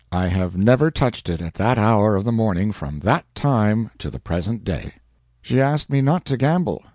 I have never touched it at that hour of the morning from that time to the present day. She asked me not to gamble.